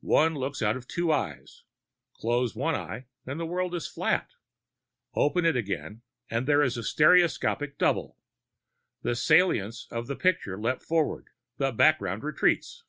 One looks out of two eyes. Close one eye and the world is flat. Open it again and there is a stereoscopic double; the saliencies of the picture leap forward, the background retreats.